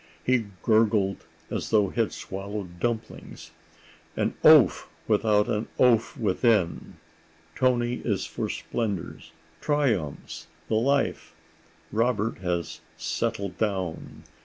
He gurgled as though he had swallowed dumplings." An oaf without and an oaf within! Toni is for splendors, triumphs, the life; Robert has "settled down."